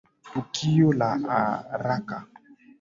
Tukio la haraka.